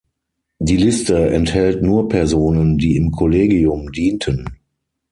Die Liste enthält nur Personen, die im Kollegium dienten.